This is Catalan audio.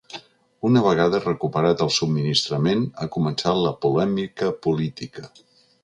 Una vegada recuperat el subministrament, ha començat la polèmica política.